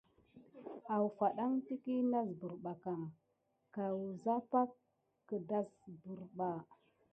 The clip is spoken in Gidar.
Awfaɗan təkiy nasbər ɓa kam kawusa pak gedasbirba.